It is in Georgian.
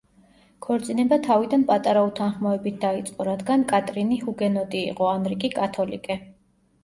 ქორწინება თავიდან პატარა უთანხმოებით დაიწყო, რადგან კატრინი ჰუგენოტი იყო ანრი კი კათოლიკე.